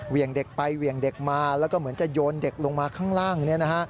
งเด็กไปเหวี่ยงเด็กมาแล้วก็เหมือนจะโยนเด็กลงมาข้างล่าง